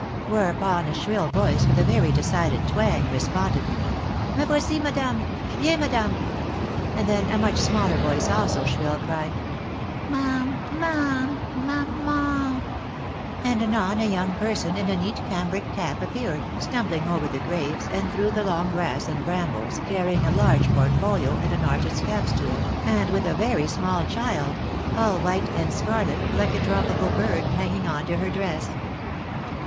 " whereupon a shrill voice with a very decided twang responded, " M' voici, m'd'me ! j'viens, m'd'me ;" and then a much smaller voice, also shrill, cried, " Mam — mam — mam — man !" and anon a young person in a neat cambric cap appeared, stumbling over the graves, and through the long grass and brambles, carrying a large portfolio and an artist's camp stool, and with a very small child — all white and scarlet, like a tropical bird— hanging on to her dress.